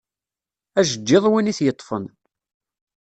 Ajeğğiḍ win i t-yeṭṭfen.